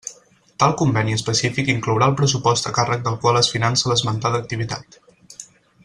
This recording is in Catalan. Tal conveni específic inclourà el pressupost a càrrec del qual es finança l'esmentada activitat.